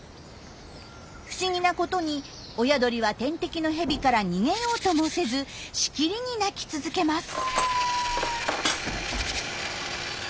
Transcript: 不思議なことに親鳥は天敵のヘビから逃げようともせずしきりに鳴き続けます。